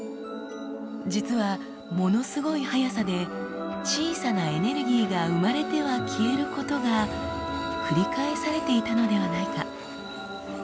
実はものすごい速さで小さなエネルギーが生まれては消えることが繰り返されていたのではないか？